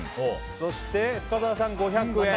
そして深澤さんが５００円。